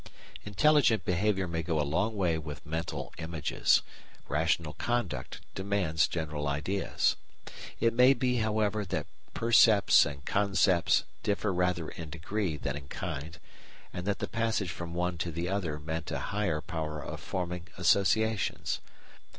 Intelligent behaviour may go a long way with mental images; rational conduct demands general ideas. It may be, however, that "percepts" and "concepts" differ rather in degree than in kind, and that the passage from one to the other meant a higher power of forming associations.